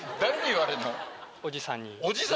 おじさん！